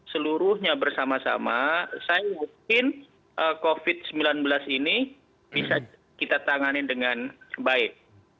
seluruhnya bersama sama saya yakin covid sembilan belas ini bisa kita tanganin dengan baik